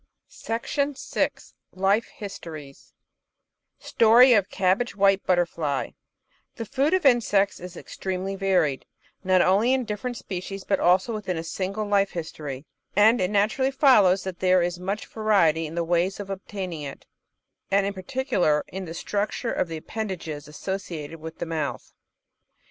LIFE HISTORIES Story of Cabbage White Butterfly The food of Insects is extremely varied, not only in different species, but also within a single life history, and it naturally fol lows that there is much variety in the ways of obtaining it, and, in particular, in the structure of the appendages associated with the mouth.